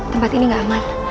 tempat ini enggak aman